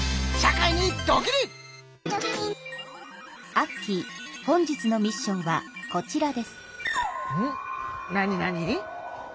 アッキー本日のミッションはこちらです。